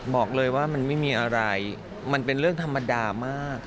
บอกเลยว่ามันไม่มีอะไรมันเป็นเรื่องธรรมดามาก